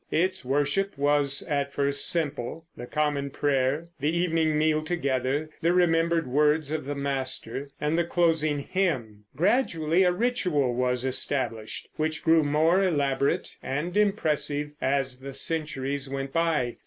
Its worship was at first simple, the common prayer, the evening meal together, the remembered words of the Master, and the closing hymn. Gradually a ritual was established, which grew more elaborate and impressive as the centuries went by.